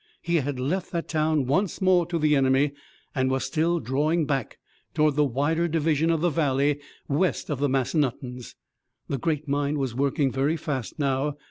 He had left that town once more to the enemy and was still drawing back toward the wider division of the valley west of the Massanuttons. The great mind was working very fast now.